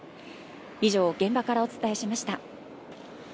以上、現場からお伝えしました。